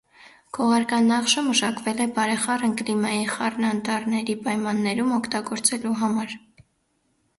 Քողարկանախշը մշակվել է բարեխառն կլիմայի խառնանտառների պայմաններում օգտագործելու համար։